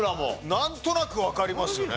なんとなくわかりますよね。